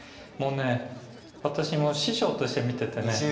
もうね私も師匠として見ててね